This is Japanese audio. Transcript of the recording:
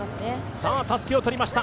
さあ、たすきを取りました。